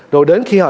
rồi đến khi họ